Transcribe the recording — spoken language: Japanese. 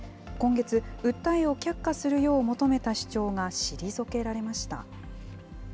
今月、訴えを却下するよう求めた主張が退けられました。